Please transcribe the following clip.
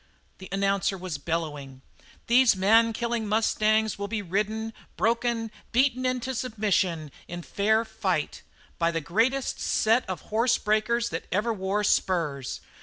The announcer was bellowing: "These man killing mustangs will be ridden, broken, beaten into submission in fair fight by the greatest set of horse breakers that ever wore spurs.